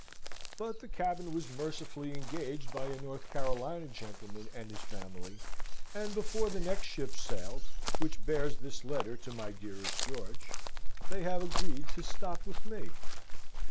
But the cabin was mercifully engaged by a North Carolina gentleman and his family, and before the next ship sailed (which bears this letter to my dearest George) they have agreed to stop with me.